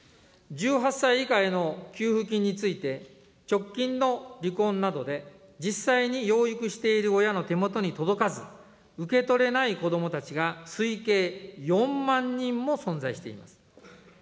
１８歳以下への給付金について、直近の離婚などで実際に養育している親の手元に届かず、受け取れない子どもたちが推計４万人も存在しています。